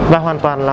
và hoàn toàn là